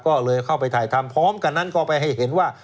ก็เลยเข้าไปถ่ายทำพร้อมกันนั้นก็ไปให้เห็นว่า